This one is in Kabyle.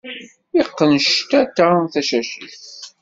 Iqqen ctata tacacit.